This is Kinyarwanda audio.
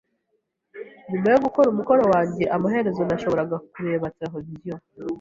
Nyuma yo gukora umukoro wanjye, amaherezo nashoboraga kureba televiziyo.